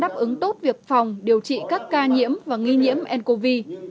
bộ y tế đã đáp ứng tốt việc phòng điều trị các ca nhiễm và nghi nhiễm ncov